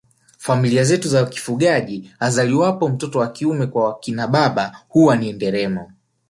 Familia zetu za kifugaji azaliwapo mtoto wa kiume kwa wakina baba huwa ni nderemo